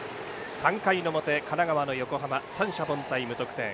３回の表、神奈川の横浜三者凡退、無得点。